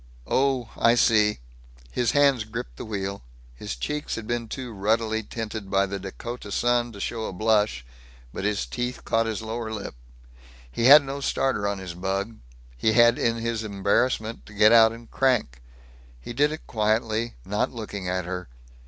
"Oh, I see." His hands gripped the wheel. His cheeks had been too ruddily tinted by the Dakota sun to show a blush, but his teeth caught his lower lip. He had no starter on his bug; he had in his embarrassment to get out and crank. He did it quietly, not looking at her.